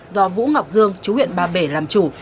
do vũ ngọc dương chú huyện ba bể làm chủ